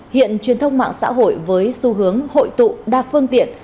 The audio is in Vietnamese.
hiện truyền thông mạng xã hội với xu hướng hội tụ đa phương tiện